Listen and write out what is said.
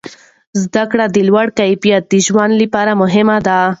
زده کړه د لوړ کیفیت د ژوند لپاره مهمه ده.